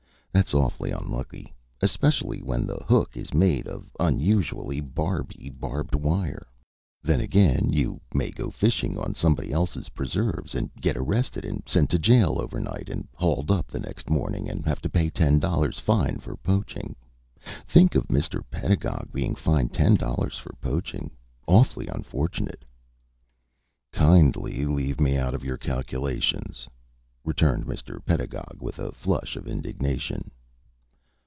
That's awfully unlucky, especially when the hook is made of unusually barby barbed wire. [Illustration: "YOU FISH ALL DAY, AND HAVE NO LUCK"] "Then, again, you may go fishing on somebody else's preserves, and get arrested, and sent to jail overnight, and hauled up the next morning, and have to pay ten dollars fine for poaching. Think of Mr. Pedagog being fined ten dollars for poaching! Awfully unfortunate!" "Kindly leave me out of your calculations," returned Mr. Pedagog, with a flush of indignation.